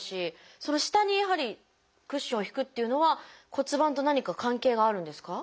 その下にやはりクッションを敷くっていうのは骨盤と何か関係があるんですか？